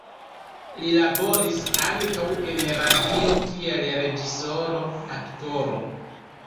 Li laboris ankaŭ en radio kiel reĝisoro, aktoro.